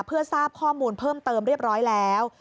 เพื่อทราบข้อมูลเพิ่มเติมเรียบร้อยแล้ว